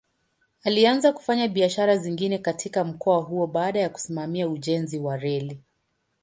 Alianza kufanya biashara zingine katika mkoa huo baada ya kusimamia ujenzi wa reli.